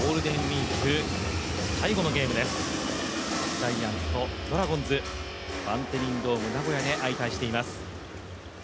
ジャイアンツとドラゴンズ、バンテリンドームナゴヤで相対しています。